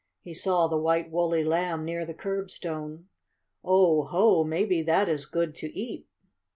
He saw the white, woolly Lamb near the curbstone. "Oh, ho! Maybe that is good to eat!"